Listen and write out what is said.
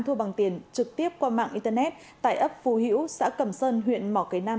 thua bằng tiền trực tiếp qua mạng internet tại ấp phù hữu xã cầm sơn huyện mỏ cây nam